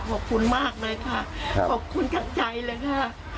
ขอบคุณมากเลยค่ะขอบคุณจากใจเลยค่ะ